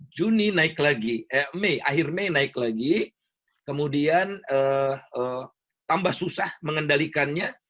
juni naik lagi eh akhir mei naik lagi kemudian tambah susah mengendalikannya